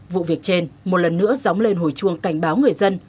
vụ việc trên một lần nữa dóng lên hồi chuông cảnh báo người dân